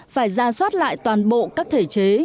phải ra soát lại toàn bộ các thể chế